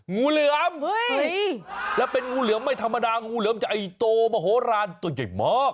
งูเหลือมแล้วเป็นงูเหลือมไม่ธรรมดางูเหลือมจะไอ้โตมโหลานตัวใหญ่มาก